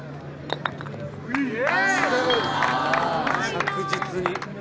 ・着実に。